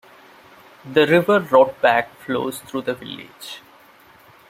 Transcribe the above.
The river Rotbach flows through the village.